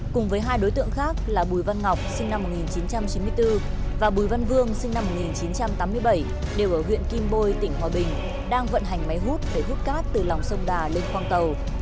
cùng với hai đối tượng khác là bùi văn ngọc sinh năm một nghìn chín trăm chín mươi bốn và bùi văn vương sinh năm một nghìn chín trăm tám mươi bảy đều ở huyện kim bôi tỉnh hòa bình đang vận hành máy hút để hút cát từ lòng sông đà lên khoang tàu